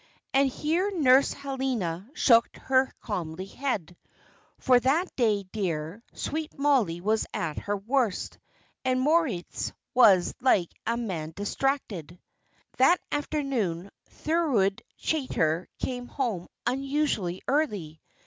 And here Nurse Helena shook her comely head. For that day, dear, sweet Mollie was at her worst. And Moritz was like a man distracted. That afternoon Thorold Chaytor came home unusually early.